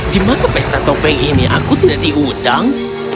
di mana pesta topeng ini aku tidak diundang